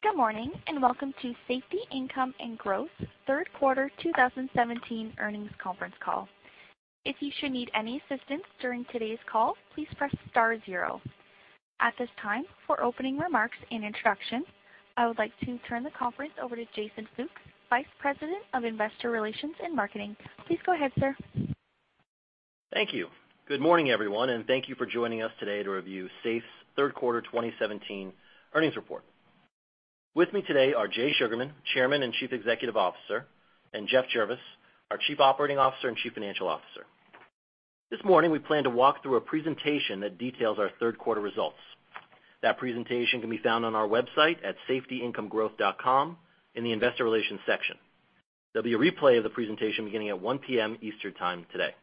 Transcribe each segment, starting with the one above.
Good morning, and welcome to Safety, Income & Growth third quarter 2017 earnings conference call. If you should need any assistance during today's call, please press star zero. At this time, for opening remarks and introduction, I would like to turn the conference over to Jason Fooks, Vice President of Investor Relations and Marketing. Please go ahead, sir. Thank you. Good morning, everyone, and thank you for joining us today to review SAFE's third quarter 2017 earnings report. With me today are Jay Sugarman, Chairman and Chief Executive Officer, and Marcos Alvarado, our Chief Operating Officer and Chief Financial Officer. This morning, we plan to walk through a presentation that details our third quarter results. That presentation can be found on our website at safetyincomegrowth.com in the investor relations section. There will be a replay of the presentation beginning at 1:00 P.M. Eastern time today.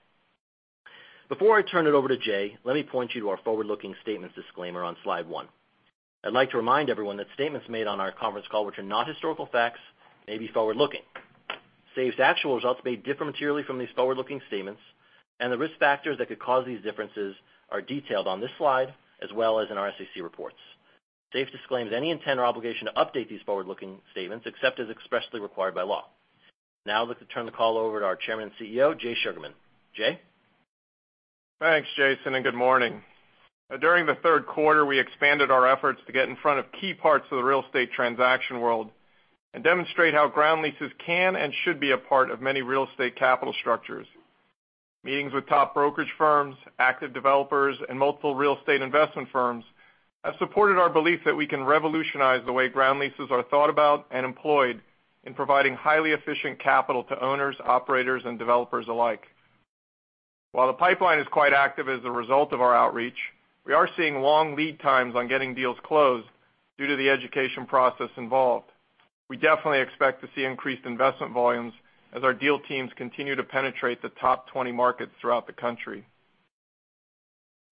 Before I turn it over to Jay, let me point you to our forward-looking statements disclaimer on slide one. I'd like to remind everyone that statements made on our conference call which are not historical facts may be forward-looking. SAFE's actual results may differ materially from these forward-looking statements. The risk factors that could cause these differences are detailed on this slide as well as in our SEC reports. SAFE disclaims any intent or obligation to update these forward-looking statements except as expressly required by law. I'd like to turn the call over to our Chairman and CEO, Jay Sugarman. Jay? Thanks, Jason, and good morning. During the third quarter, we expanded our efforts to get in front of key parts of the real estate transaction world and demonstrate how ground leases can and should be a part of many real estate capital structures. Meetings with top brokerage firms, active developers, and multiple real estate investment firms have supported our belief that we can revolutionize the way ground leases are thought about and employed in providing highly efficient capital to owners, operators, and developers alike. While the pipeline is quite active as a result of our outreach, we are seeing long lead times on getting deals closed due to the education process involved. We definitely expect to see increased investment volumes as our deal teams continue to penetrate the top 20 markets throughout the country.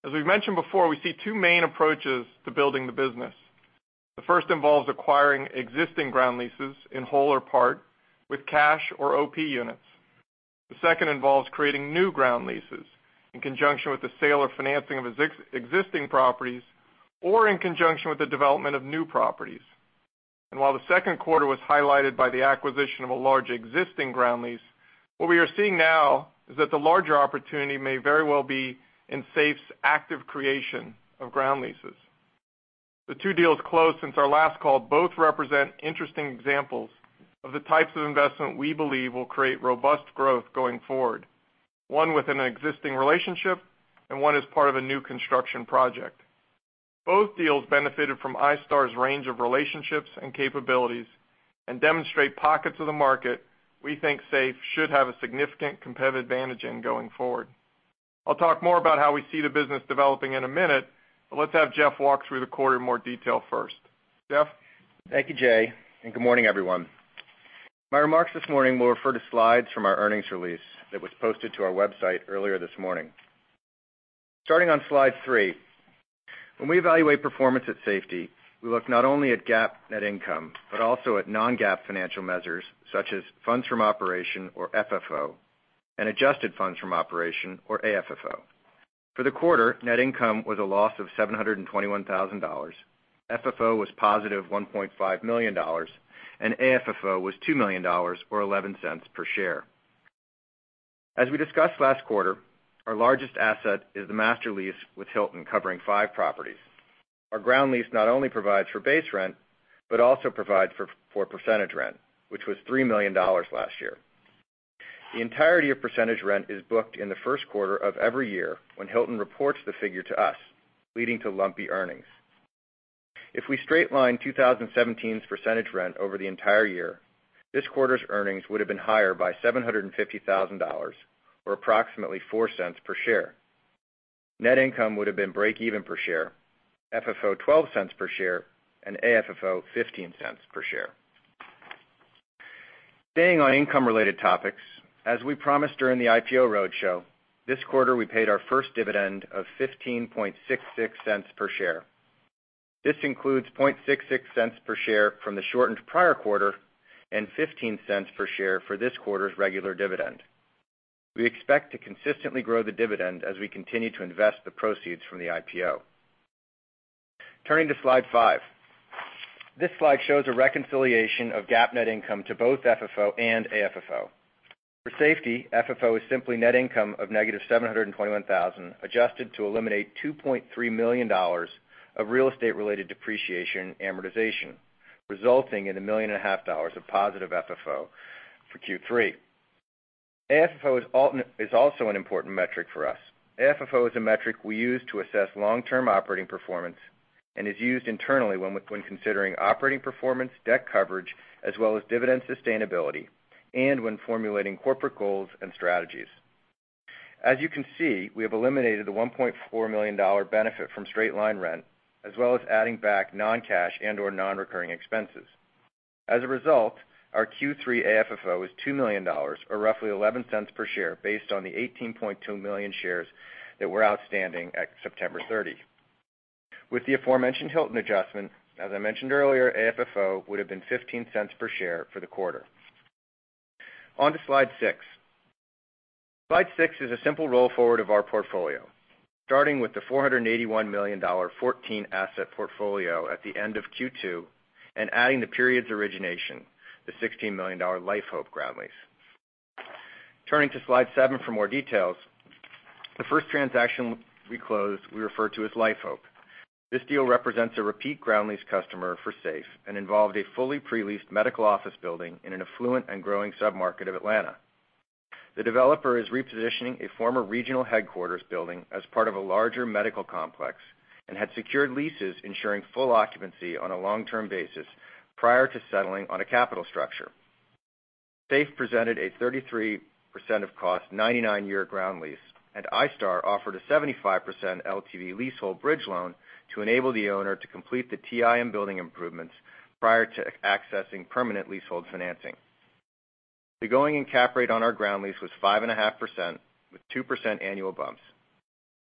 As we've mentioned before, we see two main approaches to building the business. While the second quarter was highlighted by the acquisition of a large existing ground lease, what we are seeing now is that the larger opportunity may very well be in SAFE's active creation of ground leases. The two deals closed since our last call both represent interesting examples of the types of investment we believe will create robust growth going forward, one with an existing relationship and one as part of a new construction project. Both deals benefited from iStar's range of relationships and capabilities and demonstrate pockets of the market we think SAFE should have a significant competitive advantage in going forward. I'll talk more about how we see the business developing in a minute, but let's have Marcos walk through the quarter in more detail first. Marcos? Thank you, Jay, and good morning, everyone. My remarks this morning will refer to slides from our earnings release that was posted to our website earlier this morning. Starting on slide three. When we evaluate performance at Safety, we look not only at GAAP net income, but also at non-GAAP financial measures such as funds from operation, or FFO, and adjusted funds from operation, or AFFO. For the quarter, net income was a loss of $721,000, FFO was positive $1.5 million, and AFFO was $2 million, or $0.11 per share. As we discussed last quarter, our largest asset is the master lease with Hilton, covering five properties. Our ground lease not only provides for base rent, but also provides for percentage rent, which was $3 million last year. The entirety of percentage rent is booked in the first quarter of every year when Hilton reports the figure to us, leading to lumpy earnings. If we straight-line 2017's percentage rent over the entire year, this quarter's earnings would've been higher by $750,000, or approximately $0.04 per share. Net income would've been break even per share, FFO $0.12 per share, and AFFO $0.15 per share. Staying on income-related topics, as we promised during the IPO roadshow, this quarter we paid our first dividend of $0.1566 per share. This includes $0.0066 per share from the shortened prior quarter and $0.15 per share for this quarter's regular dividend. We expect to consistently grow the dividend as we continue to invest the proceeds from the IPO. Turning to slide five. This slide shows a reconciliation of GAAP net income to both FFO and AFFO. For Safety, FFO is simply net income of -$721,000 adjusted to eliminate $2.3 million of real estate-related depreciation amortization, resulting in $1.5 million of positive FFO for Q3. AFFO is also an important metric for us. AFFO is a metric we use to assess long-term operating performance and is used internally when considering operating performance, debt coverage, as well as dividend sustainability, and when formulating corporate goals and strategies. As you can see, we have eliminated the $1.4 million benefit from straight line rent, as well as adding back non-cash and/or non-recurring expenses. As a result, our Q3 AFFO is $2 million, or roughly $0.11 per share, based on the 18.2 million shares that were outstanding at September 30. With the aforementioned Hilton adjustment, as I mentioned earlier, AFFO would've been $0.15 per share for the quarter. On to slide six. Slide six is a simple roll forward of our portfolio, starting with the $481 million 14 asset portfolio at the end of Q2 and adding the period's origination, the $16 million LifeHope ground lease. Turning to slide seven for more details. The first transaction we closed we refer to as LifeHope. This deal represents a repeat ground lease customer for SAFE and involved a fully pre-leased medical office building in an affluent and growing sub-market of Atlanta. The developer is repositioning a former regional headquarters building as part of a larger medical complex and had secured leases ensuring full occupancy on a long-term basis prior to settling on a capital structure. SAFE presented a 33% of cost, 99-year ground lease, and iStar offered a 75% LTV leasehold bridge loan to enable the owner to complete the TI and building improvements prior to accessing permanent leasehold financing. The going-in cap rate on our ground lease was 5.5% with 2% annual bumps.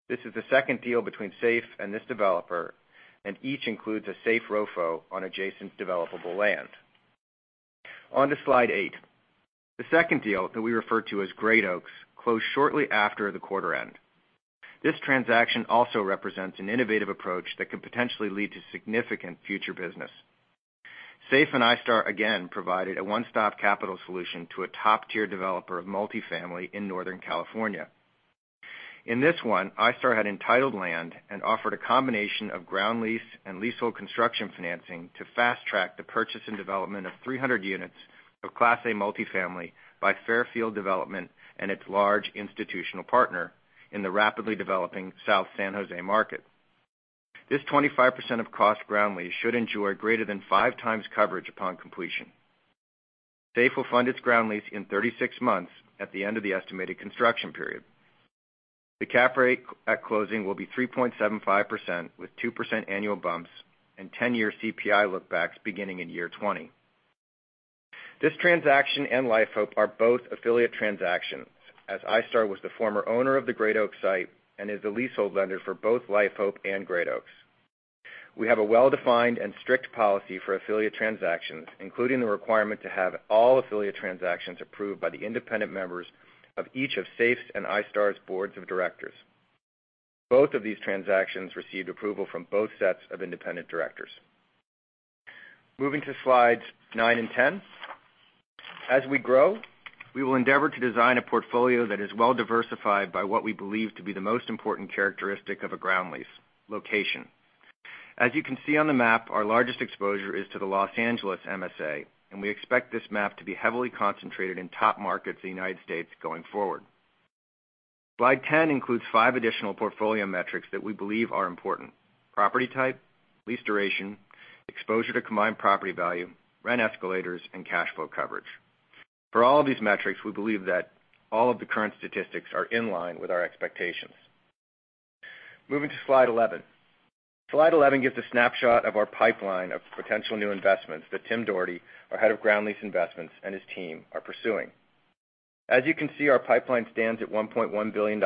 This is the second deal between SAFE and this developer, and each includes a SAFE ROFO on adjacent developable land. On to slide eight. The second deal that we refer to as Great Oaks closed shortly after the quarter end. This transaction also represents an innovative approach that could potentially lead to significant future business. SAFE and iStar again provided a one-stop capital solution to a top-tier developer of multifamily in Northern California. In this one, iStar had entitled land and offered a combination of ground lease and leasehold construction financing to fast track the purchase and development of 300 units of Class A multifamily by Fairfield Development and its large institutional partner in the rapidly developing South San Jose market. This 25% of cost ground lease should enjoy greater than five times coverage upon completion. SAFE will fund its ground lease in 36 months at the end of the estimated construction period. The cap rate at closing will be 3.75% with 2% annual bumps and 10-year CPI look backs beginning in year 20. This transaction and LifeHope are both affiliate transactions, as iStar was the former owner of the Great Oaks site and is the leasehold lender for both LifeHope and Great Oaks. We have a well-defined and strict policy for affiliate transactions, including the requirement to have all affiliate transactions approved by the independent members of each of SAFE's and iStar's boards of directors. Both of these transactions received approval from both sets of independent directors. Moving to slides nine and ten. As we grow, we will endeavor to design a portfolio that is well-diversified by what we believe to be the most important characteristic of a ground lease, location. As you can see on the map, our largest exposure is to the Los Angeles MSA, and we expect this map to be heavily concentrated in top markets in the U.S. going forward. Slide 10 includes five additional portfolio metrics that we believe are important. Property type, lease duration, exposure to combined property value, rent escalators, and cash flow coverage. For all of these metrics, we believe that all of the current statistics are in line with our expectations. Moving to Slide 11. Slide 11 gives a snapshot of our pipeline of potential new investments that Tim Doherty, our Head of Ground Lease Investments, and his team are pursuing. As you can see, our pipeline stands at $1.1 billion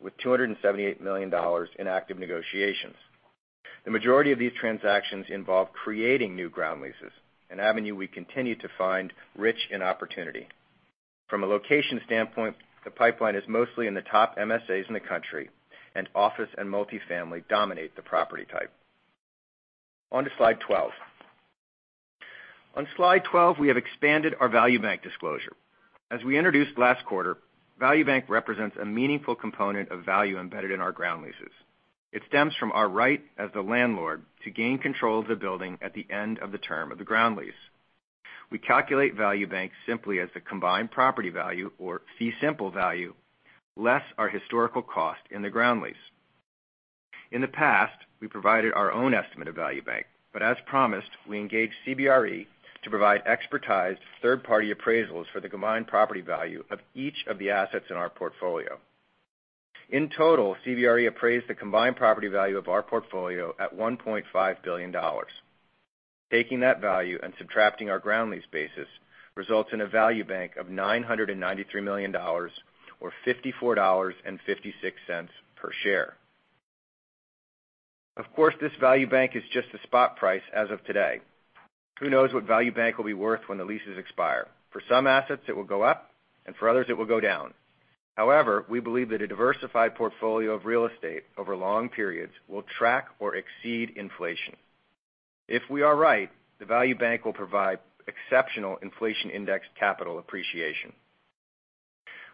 with $278 million in active negotiations. The majority of these transactions involve creating new ground leases, an avenue we continue to find rich in opportunity. From a location standpoint, the pipeline is mostly in the top MSAs in the country, and office and multifamily dominate the property type. On to Slide 12. On Slide 12, we have expanded our Value Bank disclosure. As we introduced last quarter, Value Bank represents a meaningful component of value embedded in our ground leases. It stems from our right as the landlord to gain control of the building at the end of the term of the ground lease. We calculate Value Bank simply as the combined property value, or fee simple value less our historical cost in the ground lease. In the past, we provided our own estimate of Value Bank, but as promised, we engaged CBRE to provide expertised third-party appraisals for the combined property value of each of the assets in our portfolio. In total, CBRE appraised the combined property value of our portfolio at $1.5 billion. Taking that value and subtracting our ground lease basis results in a Value Bank of $993 million, or $54.56 per share. Of course, this Value Bank is just a spot price as of today. Who knows what Value Bank will be worth when the leases expire? For some assets, it will go up, and for others, it will go down. However, we believe that a diversified portfolio of real estate over long periods will track or exceed inflation. If we are right, the Value Bank will provide exceptional inflation-indexed capital appreciation.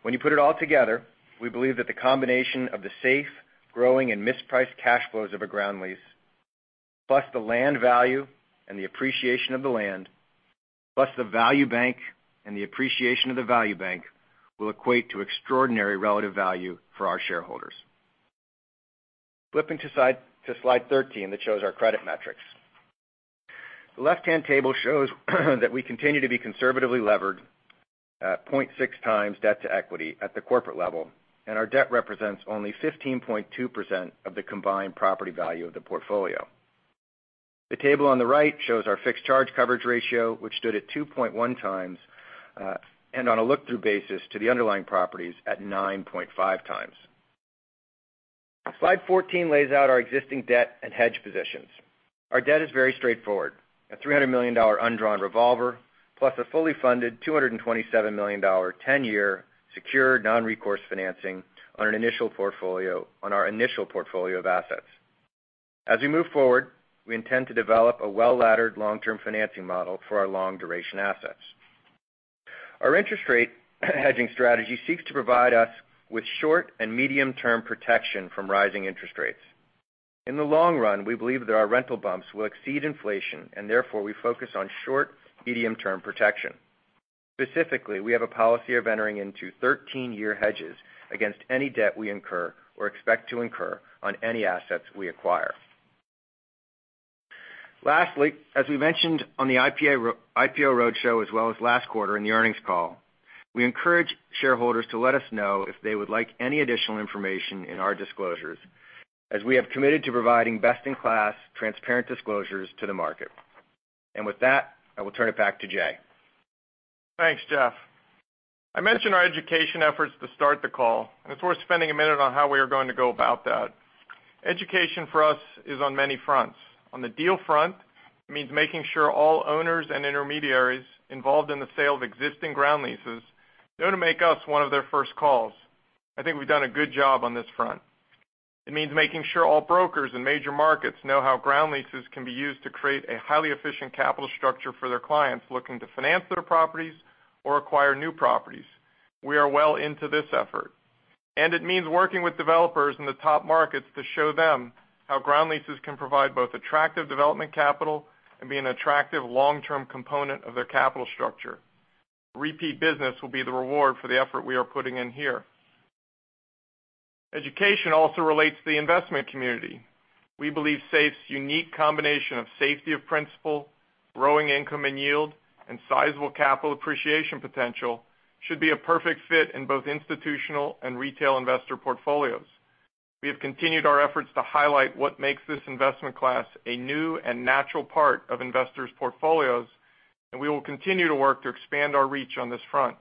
When you put it all together, we believe that the combination of the safe, growing, and mispriced cash flows of a ground lease, plus the land value and the appreciation of the land, plus the Value Bank and the appreciation of the Value Bank, will equate to extraordinary relative value for our shareholders. Flipping to Slide 13 that shows our credit metrics. The left-hand table shows that we continue to be conservatively levered at 0.6 times debt to equity at the corporate level, and our debt represents only 15.2% of the combined property value of the portfolio. The table on the right shows our fixed charge coverage ratio, which stood at 2.1 times, and on a look-through basis to the underlying properties at 9.5 times. Slide 14 lays out our existing debt and hedge positions. Our debt is very straightforward. A $300 million undrawn revolver, plus a fully funded $227 million, 10-year secured non-recourse financing on our initial portfolio of assets. As we move forward, we intend to develop a well-laddered long-term financing model for our long-duration assets. Our interest rate hedging strategy seeks to provide us with short and medium-term protection from rising interest rates. In the long run, we believe that our rental bumps will exceed inflation, therefore we focus on short medium-term protection. Specifically, we have a policy of entering into 13-year hedges against any debt we incur or expect to incur on any assets we acquire. Lastly, as we mentioned on the IPO roadshow, as well as last quarter in the earnings call, we encourage shareholders to let us know if they would like any additional information in our disclosures, as we have committed to providing best-in-class transparent disclosures to the market. With that, I will turn it back to Jay. Thanks, Jeff. I mentioned our education efforts to start the call, it's worth spending a minute on how we are going to go about that. Education for us is on many fronts. On the deal front, it means making sure all owners and intermediaries involved in the sale of existing ground leases know to make us one of their first calls. I think we've done a good job on this front. It means making sure all brokers in major markets know how ground leases can be used to create a highly efficient capital structure for their clients looking to finance their properties or acquire new properties. We are well into this effort. It means working with developers in the top markets to show them how ground leases can provide both attractive development capital and be an attractive long-term component of their capital structure. Repeat business will be the reward for the effort we are putting in here. Education also relates to the investment community. We believe SAFE's unique combination of safety of principal, growing income and yield, and sizable capital appreciation potential should be a perfect fit in both institutional and retail investor portfolios. We have continued our efforts to highlight what makes this investment class a new and natural part of investors' portfolios, we will continue to work to expand our reach on this front.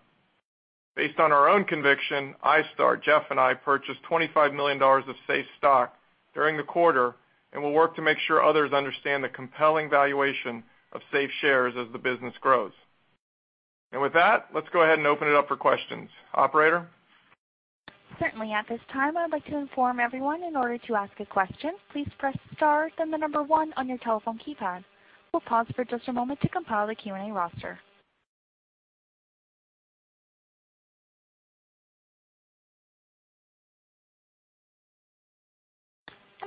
Based on our own conviction, iStar, Jeff, and I purchased $25 million of SAFE stock during the quarter, we'll work to make sure others understand the compelling valuation of SAFE shares as the business grows. With that, let's go ahead and open it up for questions. Operator? Certainly. At this time, I would like to inform everyone in order to ask a question, please press star then the number one on your telephone keypad. We'll pause for just a moment to compile the Q&A roster.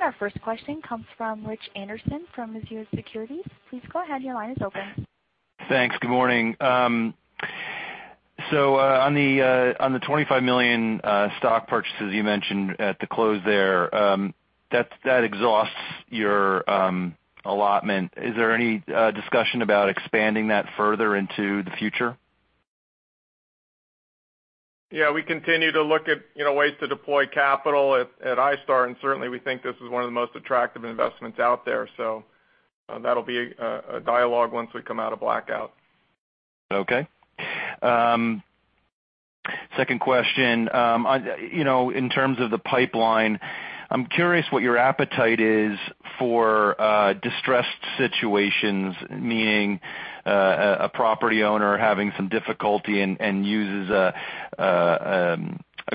Our first question comes from Richard Anderson from Mizuho Securities. Please go ahead. Your line is open. Thanks. Good morning. On the $25 million stock purchases you mentioned at the close there, that exhausts your allotment. Is there any discussion about expanding that further into the future? We continue to look at ways to deploy capital at iStar, and certainly we think this is one of the most attractive investments out there. That'll be a dialogue once we come out of blackout. Okay. Second question. In terms of the pipeline, I'm curious what your appetite is for distressed situations, meaning a property owner having some difficulty and uses a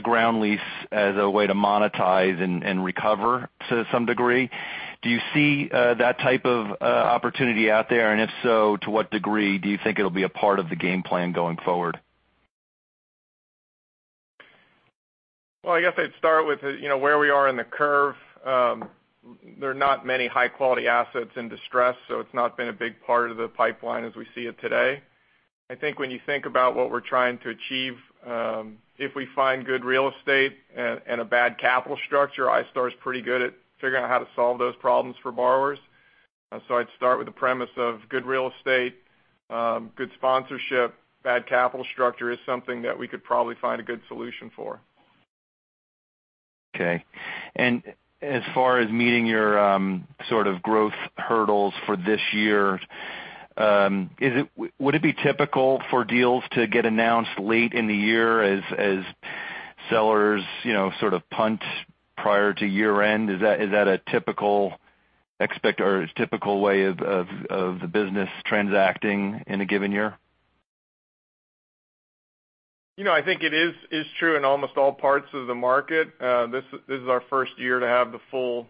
ground lease as a way to monetize and recover to some degree. Do you see that type of opportunity out there, and if so, to what degree do you think it'll be a part of the game plan going forward? Well, I guess I'd start with where we are in the curve. There are not many high-quality assets in distress, so it's not been a big part of the pipeline as we see it today. I think when you think about what we're trying to achieve, if we find good real estate and a bad capital structure, iStar's pretty good at figuring out how to solve those problems for borrowers. I'd start with the premise of good real estate, good sponsorship, bad capital structure is something that we could probably find a good solution for. Okay. As far as meeting your sort of growth hurdles for this year, would it be typical for deals to get announced late in the year as sellers sort of punt prior to year-end? Is that a typical way of the business transacting in a given year? I think it is true in almost all parts of the market. This is our first year to have the full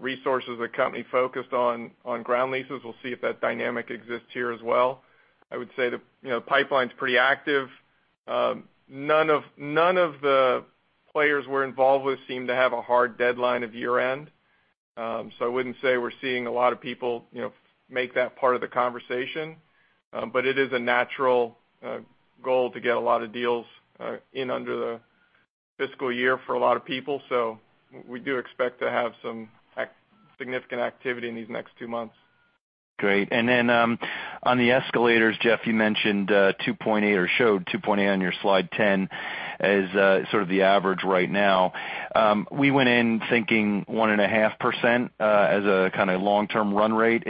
resources of the company focused on ground leases. We'll see if that dynamic exists here as well. I would say the pipeline's pretty active. None of the players we're involved with seem to have a hard deadline of year-end. I wouldn't say we're seeing a lot of people make that part of the conversation. It is a natural goal to get a lot of deals in under the fiscal year for a lot of people. We do expect to have some significant activity in these next two months. Great. On the escalators, Marcos, you mentioned 2.8 or showed 2.8 on your slide 10 as sort of the average right now. We went in thinking 1.5% as a kind of long-term run rate.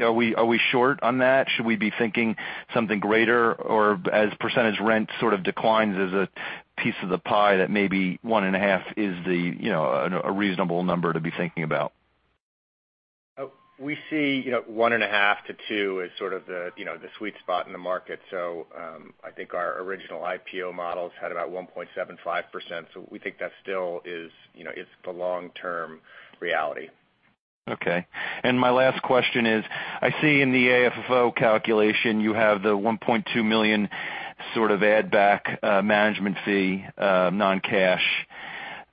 Are we short on that? Should we be thinking something greater or as percentage rent sort of declines as a piece of the pie that maybe one and a half is a reasonable number to be thinking about? We see 1.5%-2% as sort of the sweet spot in the market. I think our original IPO models had about 1.75%. We think that still is the long-term reality. My last question is, I see in the AFFO calculation, you have the $1.2 million sort of add back management fee, non-cash.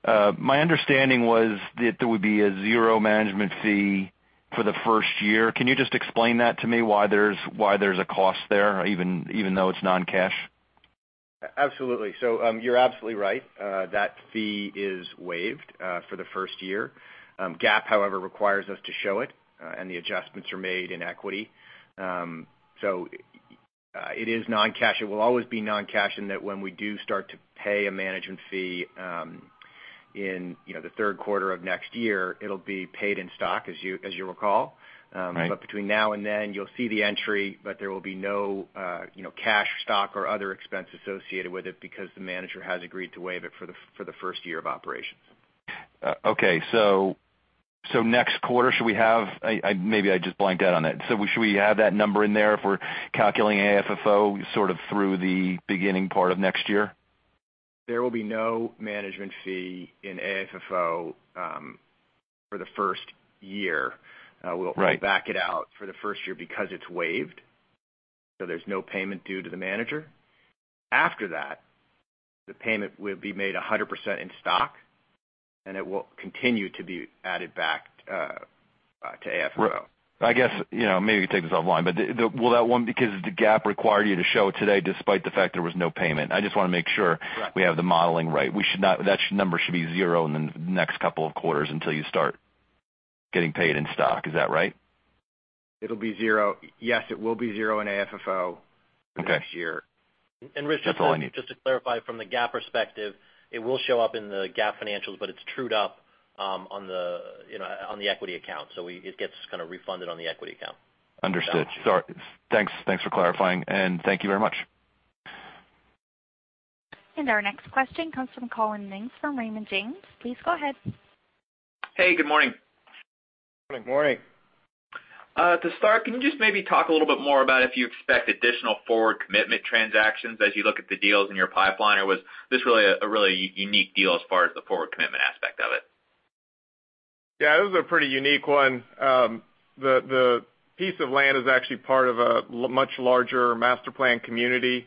My understanding was that there would be a zero management fee for the first year. Can you just explain that to me why there's a cost there, even though it's non-cash? Absolutely. You're absolutely right. That fee is waived for the first year. GAAP, however, requires us to show it, and the adjustments are made in equity. It is non-cash. It will always be non-cash in that when we do start to pay a management fee in the third quarter of next year, it'll be paid in stock, as you recall. Right. Between now and then, you'll see the entry, there will be no cash, stock, or other expense associated with it because the manager has agreed to waive it for the first year of operations. Okay. Next quarter, should we have Maybe I just blanked out on it. Should we have that number in there if we're calculating AFFO sort of through the beginning part of next year? There will be no management fee in AFFO for the first year. Right. We'll back it out for the first year because it's waived. There's no payment due to the manager. After that, the payment will be made 100% in stock, it will continue to be added back to AFFO. I guess, maybe we can take this offline, will that one, because the GAAP required you to show it today, despite the fact there was no payment. I just want to make sure- Right we have the modeling right. That number should be zero in the next couple of quarters until you start getting paid in stock. Is that right? It'll be zero. Yes, it will be zero in AFFO- Okay next year. That's all I need. Rich, just to clarify from the GAAP perspective, it will show up in the GAAP financials, but it's trued up on the equity account. It gets kind of refunded on the equity account. Understood. Thanks for clarifying, and thank you very much. Our next question comes from Collin Mings from Raymond James. Please go ahead. Hey, good morning. Good morning. To start, can you just maybe talk a little bit more about if you expect additional forward commitment transactions as you look at the deals in your pipeline? Or was this a really unique deal as far as the forward commitment aspect of it? Yeah, it was a pretty unique one. The piece of land is actually part of a much larger master plan community.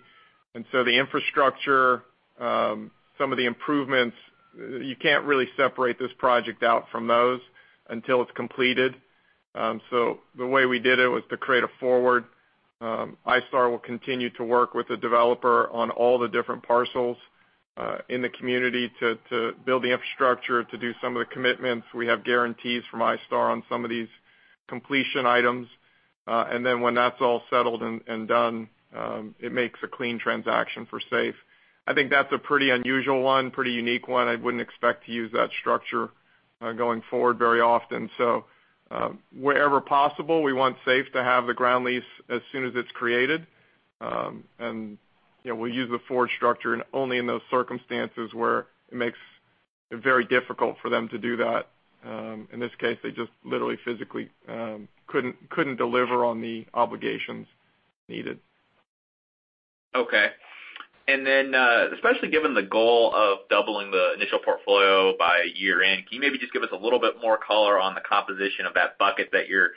The infrastructure, some of the improvements, you can't really separate this project out from those until it's completed. The way we did it was to create a forward. iStar will continue to work with the developer on all the different parcels in the community to build the infrastructure, to do some of the commitments. We have guarantees from iStar on some of these completion items. When that's all settled and done, it makes a clean transaction for SAFE. I think that's a pretty unusual one, pretty unique one. I wouldn't expect to use that structure going forward very often. Wherever possible, we want SAFE to have the ground lease as soon as it's created. We'll use the forward structure only in those circumstances where it makes it very difficult for them to do that. In this case, they just literally physically couldn't deliver on the obligations needed. Okay. Especially given the goal of doubling the initial portfolio by year-end, can you maybe just give us a little bit more color on the composition of that bucket that you're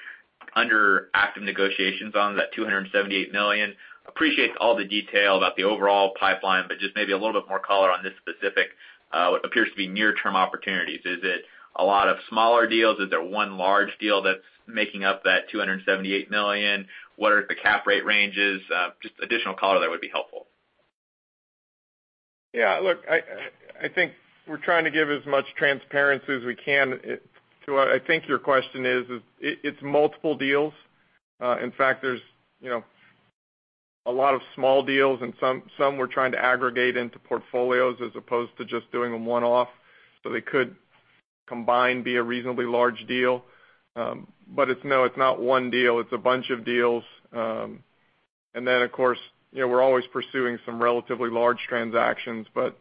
under active negotiations on, that $278 million? Appreciate all the detail about the overall pipeline, but just maybe a little bit more color on this specific, what appears to be near-term opportunities. Is it a lot of smaller deals? Is there one large deal that's making up that $278 million? What are the cap rate ranges? Just additional color there would be helpful. Yeah, look, I think we're trying to give as much transparency as we can. To what I think your question is, it's multiple deals. In fact, there's a lot of small deals and some we're trying to aggregate into portfolios as opposed to just doing them one-off, so they could combined be a reasonably large deal. No, it's not one deal. It's a bunch of deals. Of course, we're always pursuing some relatively large transactions, but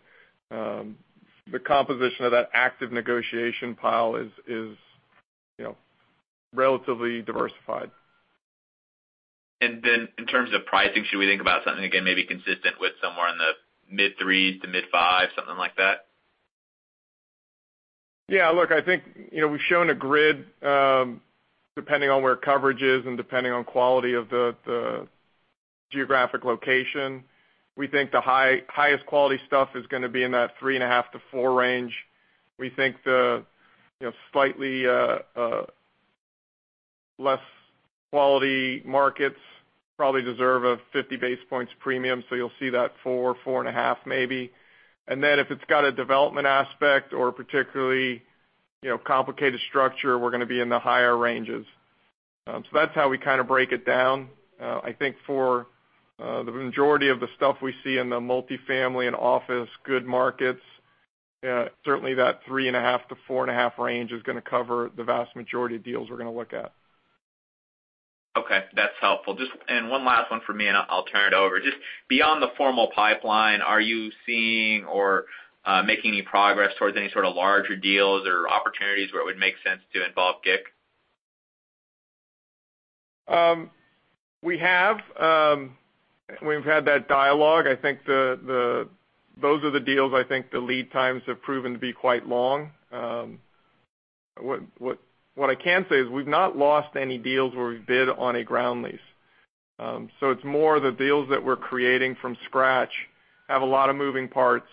the composition of that active negotiation pile is relatively diversified. In terms of pricing, should we think about something, again, maybe consistent with somewhere in the mid-three% to mid-five%, something like that? Yeah, look, I think we've shown a grid, depending on where coverage is and depending on quality of the geographic location. We think the highest quality stuff is gonna be in that 3.5%-4% range. We think the slightly less quality markets probably deserve a 50 basis points premium. You'll see that 4%-4.5% maybe. If it's got a development aspect or particularly complicated structure, we're gonna be in the higher ranges. That's how we kind of break it down. I think for the majority of the stuff we see in the multi-family and office good markets, certainly that 3.5%-4.5% range is gonna cover the vast majority of deals we're gonna look at. Okay. That's helpful. One last one from me, and I'll turn it over. Just beyond the formal pipeline, are you seeing or making any progress towards any sort of larger deals or opportunities where it would make sense to involve GIC? We have. We've had that dialogue. I think those are the deals, the lead times have proven to be quite long. What I can say is we've not lost any deals where we bid on a ground lease. It's more the deals that we're creating from scratch have a lot of moving parts.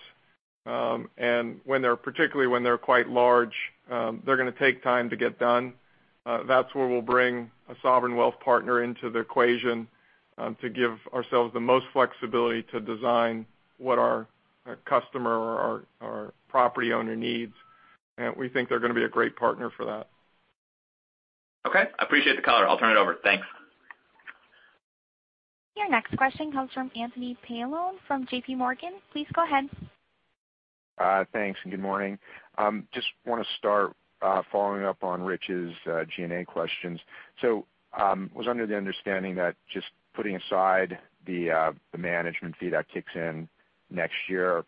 Particularly when they're quite large, they're going to take time to get done. That's where we'll bring a sovereign wealth partner into the equation to give ourselves the most flexibility to design what our customer or our property owner needs. We think they're going to be a great partner for that. Okay. I appreciate the color. I'll turn it over. Thanks. Your next question comes from Anthony Paolone from JPMorgan. Please go ahead. Thanks, good morning. Just want to start following up on Rich's G&A questions. Was under the understanding that just putting aside the management fee that kicks in next year,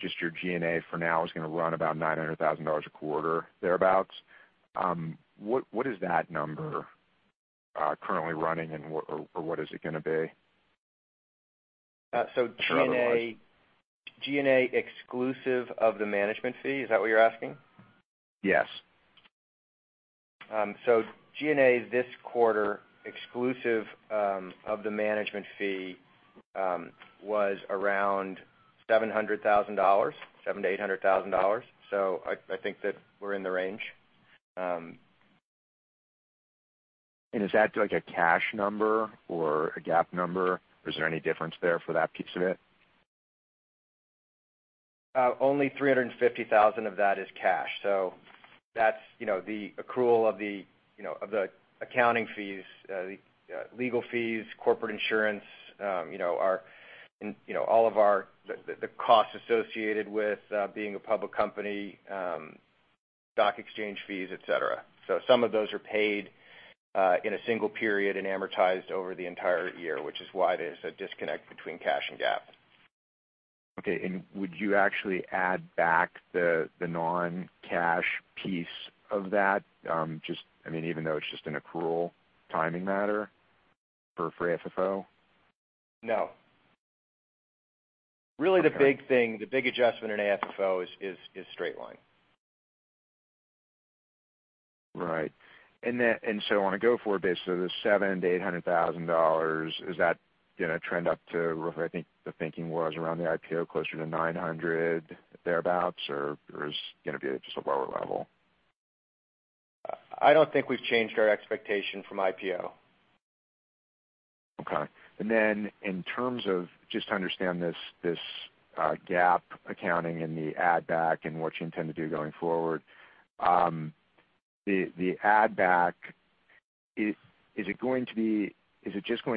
just your G&A for now is going to run about $900,000 a quarter thereabouts. What is that number currently running, or what is it going to be? G&A exclusive of the management fee, is that what you're asking? Yes. G&A this quarter, exclusive of the management fee, was around $700,000, $700,000-$800,000. I think that we're in the range. Is that like a cash number or a GAAP number? Is there any difference there for that piece of it? Only $350,000 of that is cash. That's the accrual of the accounting fees, the legal fees, corporate insurance, all of the costs associated with being a public company, stock exchange fees, et cetera. Some of those are paid in a single period and amortized over the entire year, which is why there's a disconnect between cash and GAAP. Okay. Would you actually add back the non-cash piece of that, even though it's just an accrual timing matter for FFO? No. Okay. Really the big thing, the big adjustment in AFFO is straight line. Right. On a go forward basis, the $700,000-$800,000, is that going to trend up to roughly, I think the thinking was around the IPO closer to $900,000 thereabouts, or is going to be at just a lower level? I don't think we've changed our expectation from IPO. Okay. In terms of just to understand this GAAP accounting and the add back and what you intend to do going forward. The add back, is it just going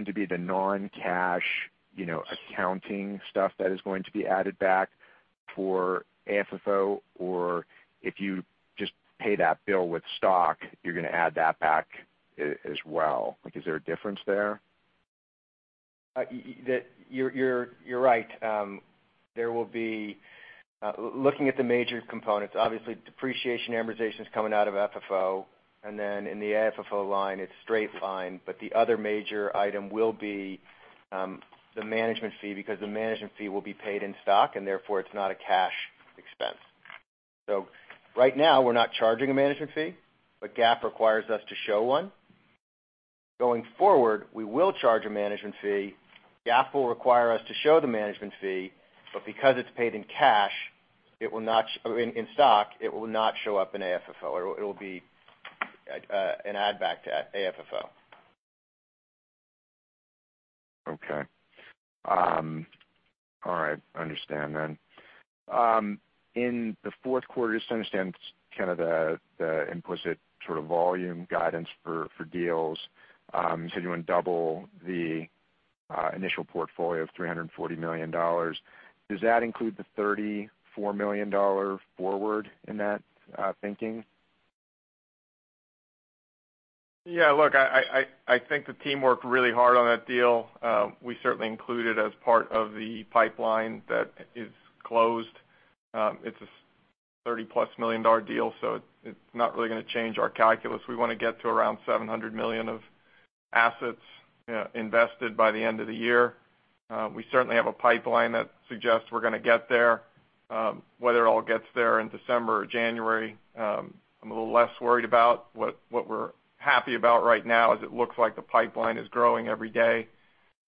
to be the non-cash accounting stuff that is going to be added back for AFFO? Or if you just pay that bill with stock, you're going to add that back as well? Like, is there a difference there? You're right. Looking at the major components, obviously depreciation, amortization's coming out of FFO, in the AFFO line, it's straight line, the other major item will be the management fee, because the management fee will be paid in stock, therefore it's not a cash expense. Right now, we're not charging a management fee, GAAP requires us to show one. Going forward, we will charge a management fee. GAAP will require us to show the management fee. Because it's paid in stock, it will not show up in AFFO, or it'll be an add back to AFFO. Okay. All right. Understand. In the fourth quarter, just to understand kind of the implicit sort of volume guidance for deals, you said you want to double the initial portfolio of $340 million. Does that include the $34 million forward in that thinking? Yeah, look, I think the team worked really hard on that deal. We certainly include it as part of the pipeline that is closed. It's a $30-plus million deal, it's not really going to change our calculus. We want to get to around $700 million of assets invested by the end of the year. We certainly have a pipeline that suggests we're going to get there. Whether it all gets there in December or January, I'm a little less worried about. What we're happy about right now is it looks like the pipeline is growing every day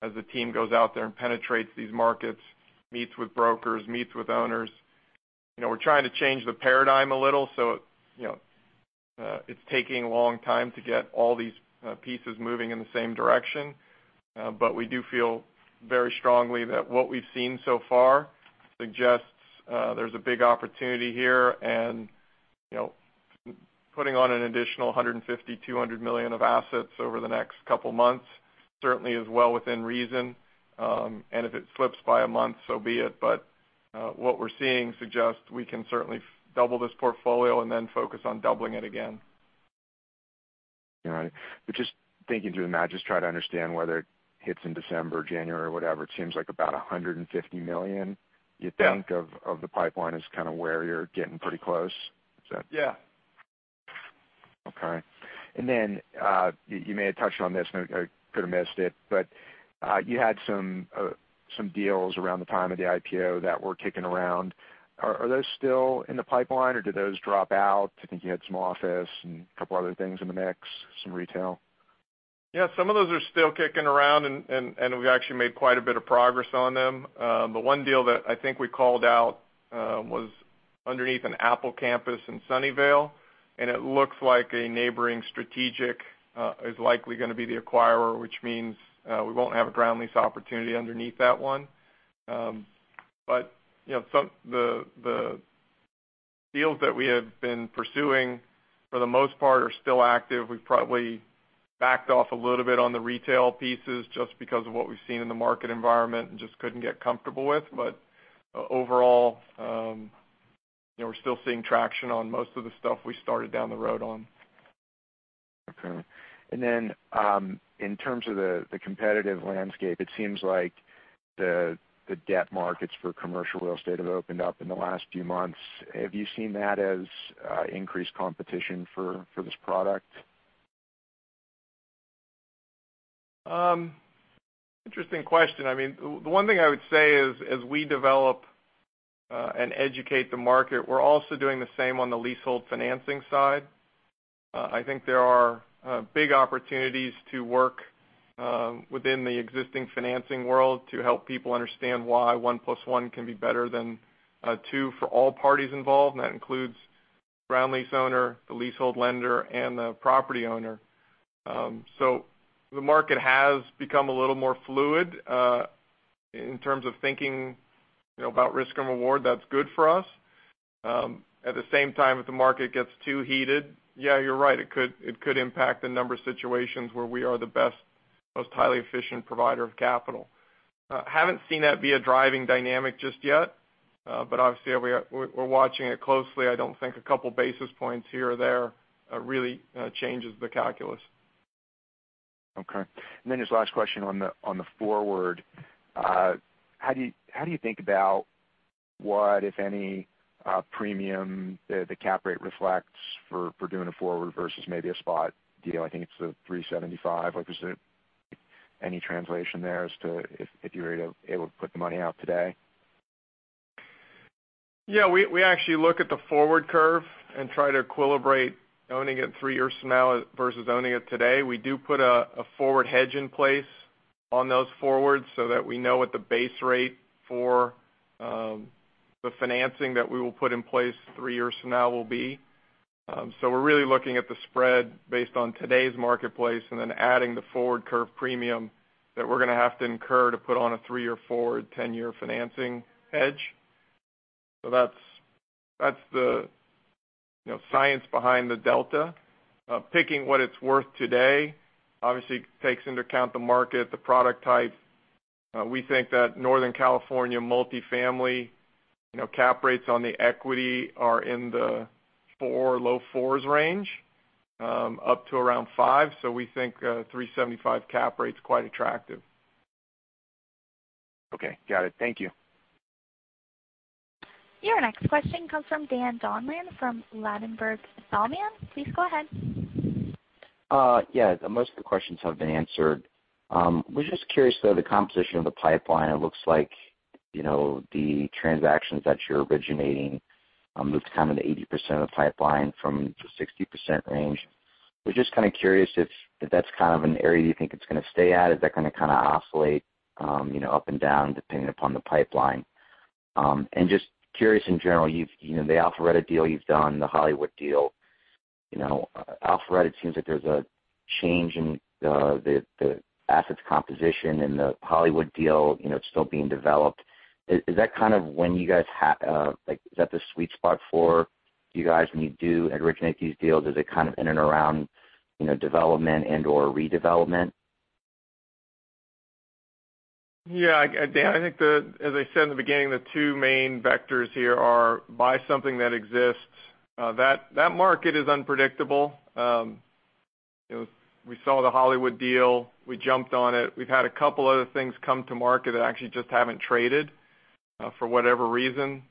as the team goes out there and penetrates these markets, meets with brokers, meets with owners. We're trying to change the paradigm a little, it's taking a long time to get all these pieces moving in the same direction. We do feel very strongly that what we've seen so far suggests there's a big opportunity here, and putting on an additional $150 million, $200 million of assets over the next couple months certainly is well within reason. If it slips by a month, so be it. What we're seeing suggests we can certainly double this portfolio and then focus on doubling it again. All right. Just thinking through the math, just trying to understand whether it hits in December, January, whatever, it seems like about $150 million- Yeah you'd think of the pipeline as kind of where you're getting pretty close. Is that- Yeah. Okay. Then, you may have touched on this and I could have missed it, but you had some deals around the time of the IPO that were kicking around. Are those still in the pipeline, or did those drop out? I think you had some office and a couple other things in the mix, some retail. Some of those are still kicking around, we actually made quite a bit of progress on them. The one deal that I think we called out, was underneath an Apple campus in Sunnyvale, it looks like a neighboring strategic, is likely gonna be the acquirer, which means, we won't have a ground lease opportunity underneath that one. The deals that we have been pursuing, for the most part, are still active. We've probably backed off a little bit on the retail pieces just because of what we've seen in the market environment and just couldn't get comfortable with. Overall, we're still seeing traction on most of the stuff we started down the road on. Okay. In terms of the competitive landscape, it seems like the debt markets for commercial real estate have opened up in the last few months. Have you seen that as increased competition for this product? Interesting question. The one thing I would say is, as we develop, educate the market, we're also doing the same on the leasehold financing side. I think there are big opportunities to work within the existing financing world to help people understand why one plus one can be better than two for all parties involved, that includes ground lease owner, the leasehold lender, and the property owner. The market has become a little more fluid. In terms of thinking about risk and reward, that's good for us. At the same time, if the market gets too heated, yeah, you're right, it could impact the number of situations where we are the best, most highly efficient provider of capital. Haven't seen that be a driving dynamic just yet, but obviously we're watching it closely. I don't think a couple basis points here or there really changes the calculus. Okay. Just last question on the forward. How do you think about what, if any, premium the cap rate reflects for doing a forward versus maybe a spot deal? I think it's a 375. Like, is there any translation there as to if you were able to put the money out today? We actually look at the forward curve and try to equilibrate owning it 3 years from now versus owning it today. We do put a forward hedge in place on those forwards so that we know what the base rate for the financing that we will put in place 3 years from now will be. We're really looking at the spread based on today's marketplace and then adding the forward curve premium that we're gonna have to incur to put on a 3-year forward, 10-year financing hedge. That's the science behind the delta. Picking what it's worth today obviously takes into account the market, the product type. We think that Northern California multifamily cap rates on the equity are in the four, low 4s range, up to around five. We think a 3.75% cap rate's quite attractive. Okay, got it. Thank you. Your next question comes from Dan Donlan from Ladenburg Thalmann. Please go ahead. Most of the questions have been answered. Was just curious, though, the composition of the pipeline, it looks like the transactions that you're originating, moved kind of to 80% of the pipeline from the 60% range. Was just kind of curious if that's kind of an area you think it's gonna stay at. Is that gonna kind of oscillate up and down depending upon the pipeline? Just curious in general, the Alpharetta deal you've done, the Hollywood deal. Alpharetta, it seems like there's a change in the asset's composition, and the Hollywood deal, it's still being developed. Is that the sweet spot for you guys when you do originate these deals? Is it kind of in and around development and/or redevelopment? Yeah, Dan, I think as I said in the beginning, the two main vectors here are buy something that exists. That market is unpredictable. We saw the Hollywood deal. We jumped on it. We've had a couple other things come to market that actually just haven't traded, for whatever reason.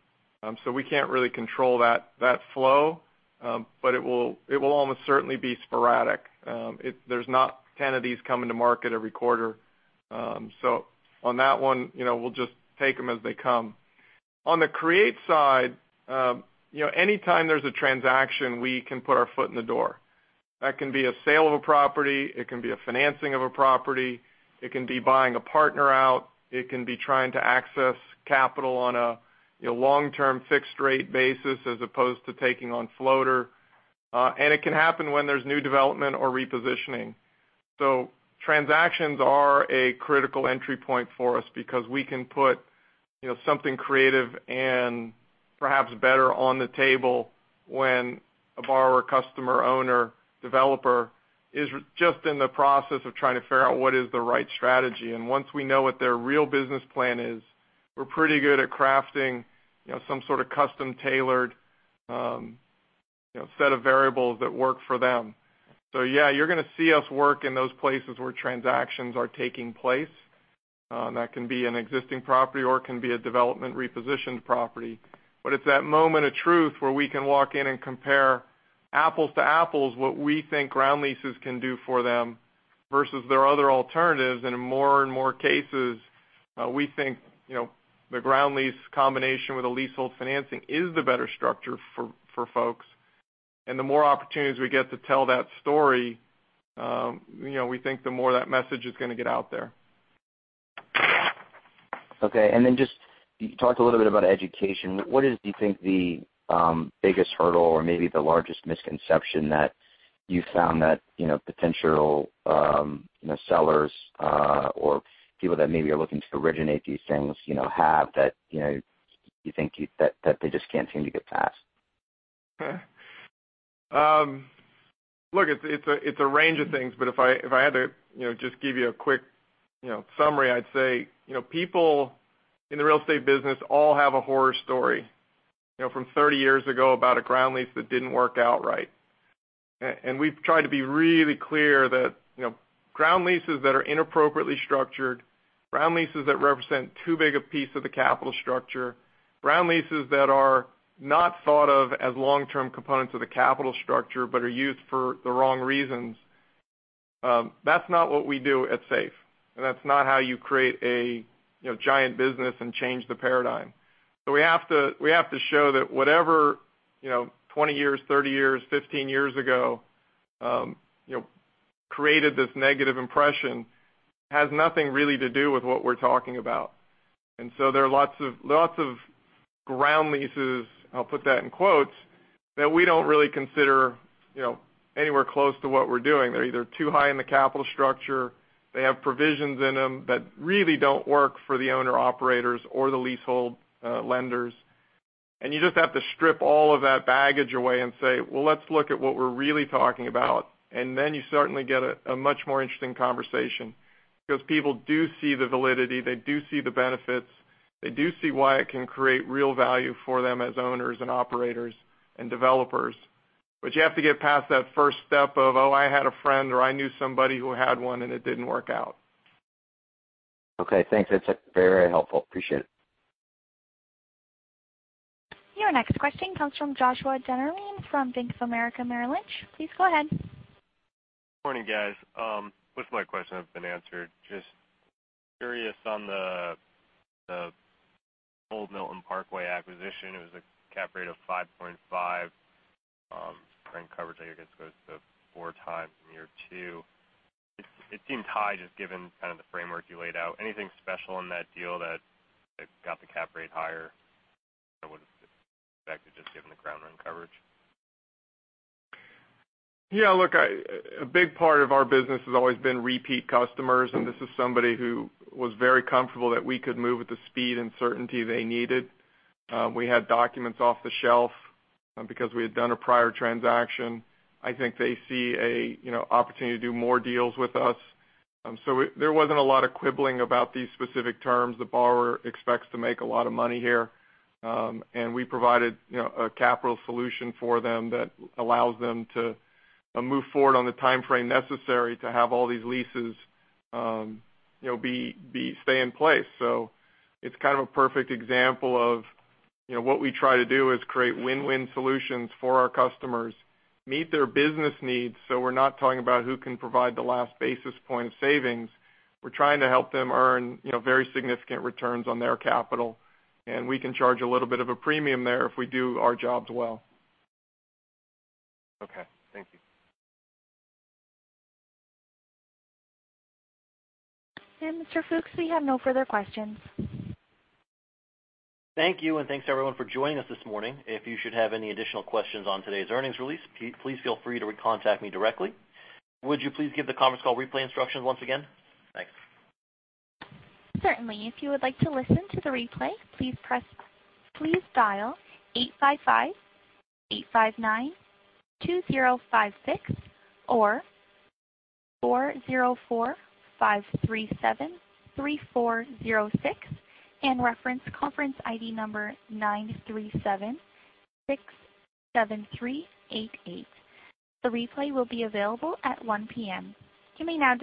We can't really control that flow. It will almost certainly be sporadic. There's not 10 of these coming to market every quarter. On that one, we'll just take them as they come. On the create side, any time there's a transaction, we can put our foot in the door. That can be a sale of a property, it can be a financing of a property, it can be buying a partner out, it can be trying to access capital on a long-term fixed rate basis as opposed to taking on floater. It can happen when there's new development or repositioning. Transactions are a critical entry point for us because we can put something creative and Perhaps better on the table when a borrower, customer, owner, developer is just in the process of trying to figure out what is the right strategy. Once we know what their real business plan is, we're pretty good at crafting some sort of custom-tailored set of variables that work for them. Yeah, you're going to see us work in those places where transactions are taking place. That can be an existing property or it can be a development repositioned property. It's that moment of truth where we can walk in and compare apples to apples what we think ground leases can do for them versus their other alternatives. In more and more cases, we think, the ground lease combination with a leasehold financing is the better structure for folks. The more opportunities we get to tell that story, we think the more that message is going to get out there. Okay. Just, you talked a little bit about education. What is, do you think, the biggest hurdle or maybe the largest misconception that you found that potential sellers or people that maybe are looking to originate these things have that you think they just can't seem to get past? Look, it's a range of things, but if I had to just give you a quick summary, I'd say, people in the real estate business all have a horror story from 30 years ago about a ground lease that didn't work out right. We've tried to be really clear that ground leases that are inappropriately structured, ground leases that represent too big a piece of the capital structure, ground leases that are not thought of as long-term components of the capital structure but are used for the wrong reasons, that's not what we do at SAFE. That's not how you create a giant business and change the paradigm. We have to show that whatever 20 years, 30 years, 15 years ago created this negative impression, has nothing really to do with what we're talking about. There are lots of ground leases, I'll put that in quotes, that we don't really consider anywhere close to what we're doing. They're either too high in the capital structure, they have provisions in them that really don't work for the owner-operators or the leasehold lenders. You just have to strip all of that baggage away and say, "Well, let's look at what we're really talking about." You certainly get a much more interesting conversation because people do see the validity, they do see the benefits, they do see why it can create real value for them as owners and operators and developers. You have to get past that first step of, oh, I had a friend, or I knew somebody who had one, and it didn't work out. Okay, thanks. That's very helpful. Appreciate it. Your next question comes from Joshua Dennerlein from Bank of America Merrill Lynch. Please go ahead. Morning, guys. Most of my question has been answered. Just curious on the Old Milton Parkway acquisition, it was a cap rate of 5.5, current coverage, I guess, goes to four times in year two. It seems high just given kind of the framework you laid out. Anything special in that deal that got the cap rate higher than I would've expected, just given the ground rent coverage? A big part of our business has always been repeat customers, and this is somebody who was very comfortable that we could move at the speed and certainty they needed. We had documents off the shelf because we had done a prior transaction. I think they see an opportunity to do more deals with us. There wasn't a lot of quibbling about these specific terms. The borrower expects to make a lot of money here. We provided a capital solution for them that allows them to move forward on the timeframe necessary to have all these leases stay in place. It's kind of a perfect example of what we try to do is create win-win solutions for our customers, meet their business needs, so we're not talking about who can provide the last basis point of savings. We're trying to help them earn very significant returns on their capital, and we can charge a little bit of a premium there if we do our jobs well. Okay. Thank you. Mr. Fooks, we have no further questions. Thank you, and thanks to everyone for joining us this morning. If you should have any additional questions on today's earnings release, please feel free to recontact me directly. Would you please give the conference call replay instructions once again? Thanks. Certainly. If you would like to listen to the replay, please dial 8558592056 or 4045373406 and reference conference ID number 93767388. The replay will be available at 1:00 P.M. You may now disconnect.